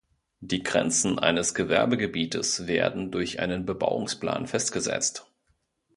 Die Grenzen eines Gewerbegebietes werden durch einen Bebauungsplan festgesetzt.